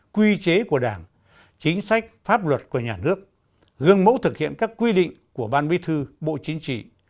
quy chế của đảng chính sách pháp luật của nhà nước gương mẫu thực hiện các quy định của ban bí thư bộ chính trị